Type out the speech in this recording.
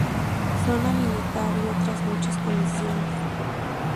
Zona Militar y otras muchas comisiones.